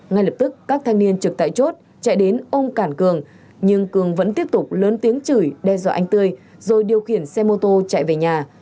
ngay lập tức các thanh niên trực tại chốt chạy đến ông cản cường nhưng cường vẫn tiếp tục lớn tiếng chửi đe dọa anh tươi rồi điều khiển xe mô tô chạy về nhà